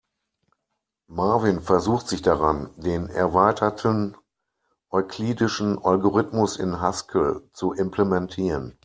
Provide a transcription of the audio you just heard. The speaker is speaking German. Marvin versucht sich daran, den erweiterten euklidischen Algorithmus in Haskell zu implementieren.